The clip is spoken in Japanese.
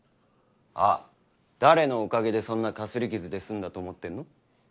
あっ誰のおかげでそんなかすり傷で済んだと思ってるの？